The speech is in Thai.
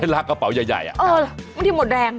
ให้ลากกระเป๋ายัยอะเออเสร็จมันไม่ได้หมดแรง